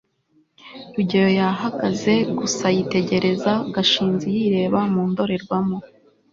rugeyo yahagaze gusa yitegereza gashinzi yireba mu ndorerwamo